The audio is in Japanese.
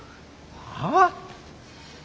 はあ？